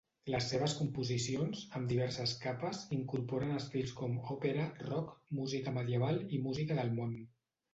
Les seves composicions, amb diverses capes, incorporen estils com òpera, rock, música medieval i música del món.